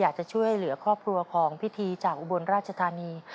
อยากจะช่วยเหลือครอบครัวของพิธีจากอุบลราชธานี